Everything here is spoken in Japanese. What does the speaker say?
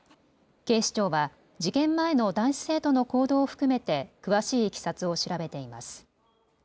警視庁は事件前の男子生徒の行動を含めて詳しいいきさつを調べています。